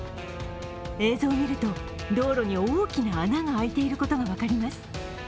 映像を見ると道路に大きな穴が開いていることが分かります。